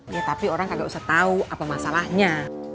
ya tapi orang gak usah tau apa masalahnya